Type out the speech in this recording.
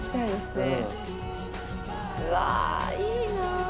うわいいな。